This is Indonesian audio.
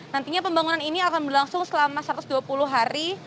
nantinya pembangunan ini akan berlangsung selama satu ratus dua puluh hari